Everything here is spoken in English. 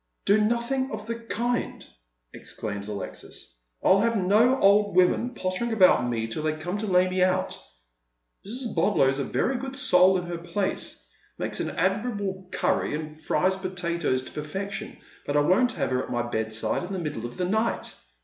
" Do nothing of the kind," exclaims Alexis. " I'll have no old women pottering about me till they come to lay me out. Mrs. Bodlow's a very good soul in her place — makes an admirable curry, and fries potatoes to perfection ; but I won't have her at my bedside m the middle of the night.